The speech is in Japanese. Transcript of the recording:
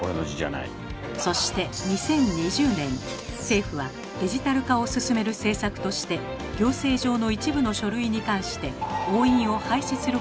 そして２０２０年政府はデジタル化を進める政策として行政上の一部の書類に関して押印を廃止する方針を打ち出し